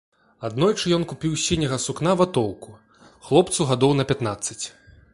Аднойчы ён купіў з сіняга сукна ватоўку, хлопцу гадоў на пятнаццаць.